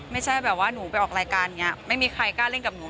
ไม่ใช่แบบว่าหนูไปออกรายการอย่างนี้ไม่มีใครกล้าเล่นกับหนู